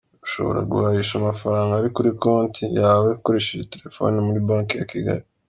Ushobora guhahisha amafaranga ari kuri konti yawe ukoresheje telefoni muri banke ya kigali